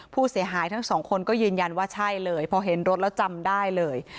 ผู้เสียหายทั้งสองคนก็ยืนยันว่าใช่เลยพอเห็นรถแล้วจำได้เลย